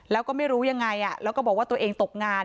แล้วก็ไม่รู้ยังไงแล้วก็บอกว่าตัวเองตกงาน